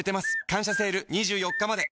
「感謝セール」２４日まで